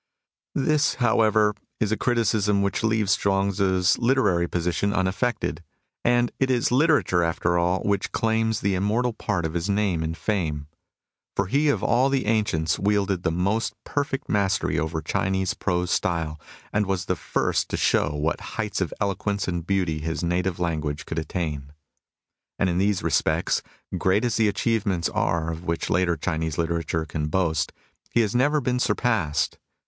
This, however, is a criticism which leaves Chuang Tzu's literary position unaffected ; and it is literature, after all, which claims the im mortal part of his name and fame. For he of all the ancients wielded the most perfect mastery over Chinese prose style, and was the first to show to what heights of eloquence and beauty his native language could attain. And in these respects, great as the achievements are of which later Chinese literature can boast, he has never been surpassed.